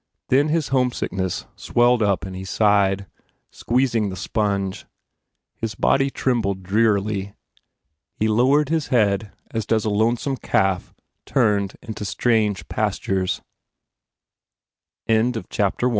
Then his homesickness swelled up and he sighed, squeezing the sponge. His body trembled drearily. He lowered his head as does a lone some calf turned into strange p